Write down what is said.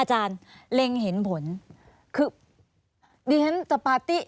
อาจารย์เล็งเห็นผลคือดิฉันจะปาร์ตี้